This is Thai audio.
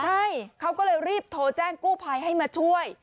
ใช่เขาก็เลยรีบโทรแจ้งกู้ภัยให้มาช่วย